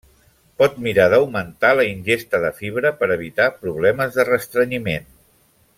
Pot mirar d'augmentar la ingesta de fibra per evitar problemes de restrenyiment.